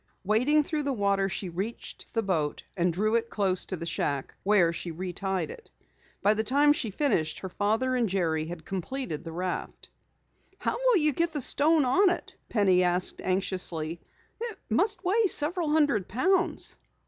Wading through the water, she reached the boat and drew it close to the shack where she retied it. By the time she finished, her father and Jerry had completed the raft. "How will you ever get the stone on it?" Penny asked anxiously. "It must weigh several hundred pounds."